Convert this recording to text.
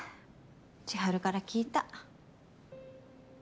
千晴から聞いた。